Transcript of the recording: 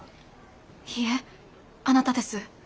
いえあなたです。